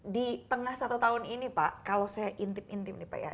di tengah satu tahun ini pak kalau saya intip intim nih pak ya